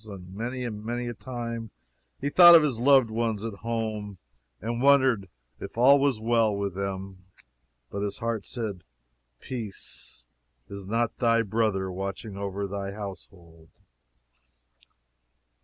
And many and many a time he thought of his loved ones at home, and wondered if all was well with them. But his heart said, Peace, is not thy brother watching over thy household?